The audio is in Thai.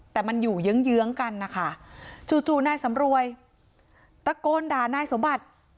แต่มันอยู่เยื้องเยื้องกันนะคะจู่จู่นายสำรวยตะโกนด่านายสมบัติ